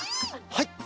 はい！